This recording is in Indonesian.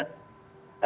nah ini juga